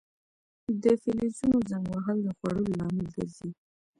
د فلزونو زنګ وهل د خوړلو لامل ګرځي.